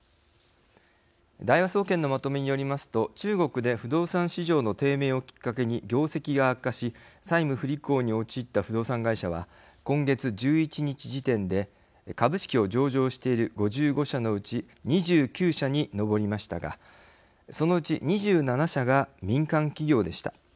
大和総研のまとめによりますと中国で不動産市場の低迷をきっかけに業績が悪化し債務不履行に陥った不動産会社は今月１１日時点で株式を上場している５５社のうち２９社に上りましたがそのうち２７社が民間企業でした。